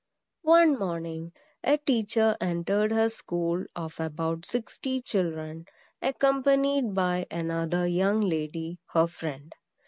One morning, a teacher entered her school of about sixty children, accompanied by another young lady, her friend.